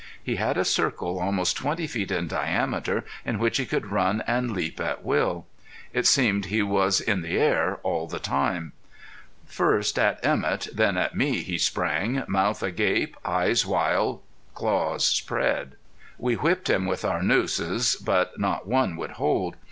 He had a circle almost twenty feet in diameter in which he could run and leap at will. It seemed he was in the air all the time. First at Emett, than at me he sprang, mouth agape, eyes wild, claws spread. We whipped him with our nooses, but not one would hold.